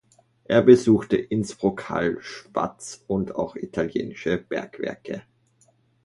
Er besuchte Innsbruck, Hall, Schwaz und auch italienische Bergwerke.